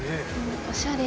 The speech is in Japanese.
おしゃれ。